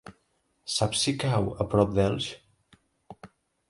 Saps si cau a prop d'Elx?